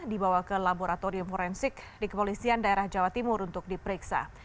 dibawa ke laboratorium forensik di kepolisian daerah jawa timur untuk diperiksa